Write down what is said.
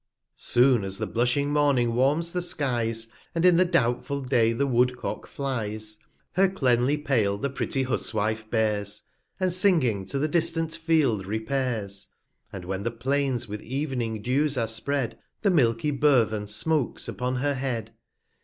Soon as the blushing Morning warms the Skies, And in the doubtful Day the Woodcock flies, Her cleanly Pail the pretty Huswife bears, 235 And singing to the distant Field repairs: And when the Plains with ev'ning Dews are spread, The milky Burthen smoaks upon her Head.